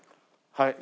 はい。